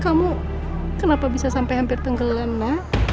kamu kenapa bisa sampai hampir tenggelam ya